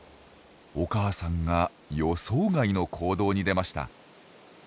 お母さんが予想外の行動に出ました。